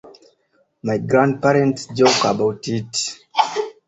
My grandparents joke about it.